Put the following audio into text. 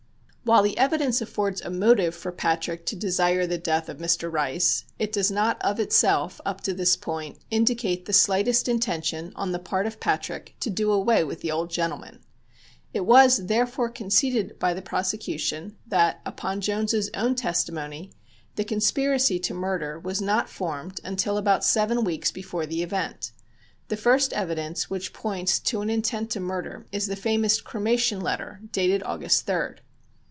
While the evidence affords a motive for Patrick to desire the death of Mr. Rice, it does not of itself, up to this point, indicate the slightest intention on the part of Patrick to do away with the old gentleman. It was therefore conceded by the prosecution that, upon Jones's own testimony, the conspiracy to murder was not formed until about seven weeks before the event. The first evidence which points to an intent to murder is the famous "cremation letter," dated August 3d.